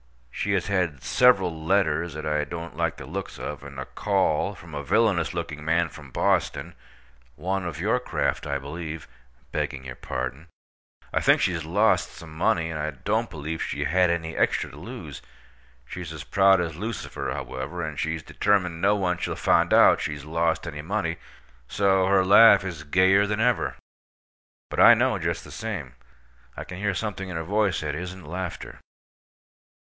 She has had several letters that I don't like the looks of, and a call from a villainous looking man from Boston—one of your craft, I believe (begging your pardon). I think she's lost some money, and I don't believe she had any extra to lose. She's as proud as Lucifer, however, and she's determined no one shall find out she's lost any money, so her laugh is gayer than ever. But I know, just the same. I can hear something in her voice that isn't laughter.